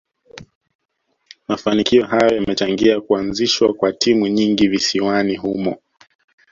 Mafanikio hayo yamechangia kuazishwa kwa timu nyingi visiwani humo